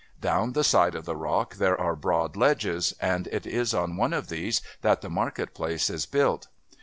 Down the side of the rock there are broad ledges, and it is on one of these that the market place is built.